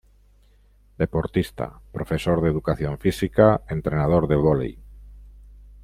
Deportista, profesor de educación física, entrenador de voley.